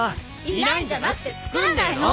いないんじゃなくてつくらないの。